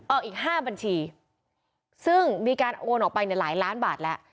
ออกอีกห้าบัญชีซึ่งมีการโอนออกไปในหลายล้านบาทแล้ว